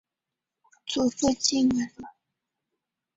祖父靳文昺。